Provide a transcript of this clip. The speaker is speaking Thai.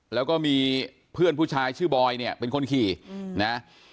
แล้วก็มีเพื่อนผู้ชายชื่อบอยเนี่ยเป็นคนขี่นะ